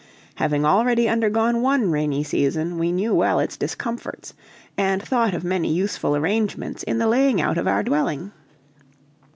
Having already undergone one rainy season, we knew well its discomforts, and thought of many useful arrangements in the laying out of our dwelling.